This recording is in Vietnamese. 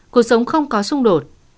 cuộc sống không có xung đột